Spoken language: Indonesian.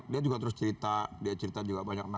dia juga terus cerita dia cerita juga banyak